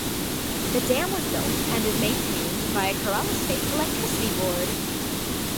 The dam was built and is maintained by Kerala State Electricity Board.